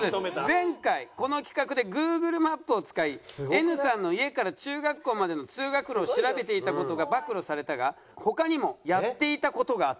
前回この企画でグーグルマップを使いＮさんの家から中学校までの通学路を調べていた事が暴露されたが他にもやっていた事があった。